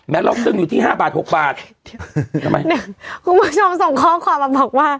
ล็อกซึ้งอยู่ที่ห้าบาทหกบาททำไมเนี่ยคุณผู้ชมส่งข้อความมาบอกว่า